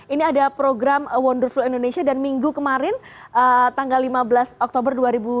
ini ada program wonderful indonesia dan minggu kemarin tanggal lima belas oktober dua ribu dua puluh